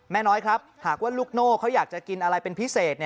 น้อยครับหากว่าลูกโน่เขาอยากจะกินอะไรเป็นพิเศษ